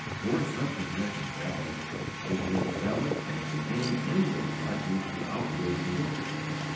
Were such objection valid, it were as valid against beginning any work likely to outlive the worker.